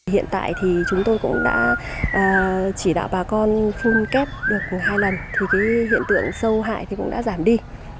hiện tại thì chúng tôi cũng đã chỉ đạo bà con phun kép được hai lần thì hiện tượng sâu hại thì cũng đã giảm đi